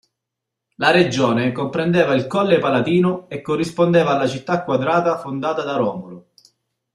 La regione comprendeva il colle Palatino e corrispondeva alla città quadrata fondata da Romolo.